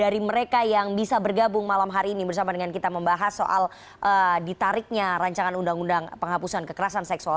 dari mereka yang bisa bergabung malam hari ini bersama dengan kita membahas soal ditariknya rancangan undang undang penghapusan kekerasan seksual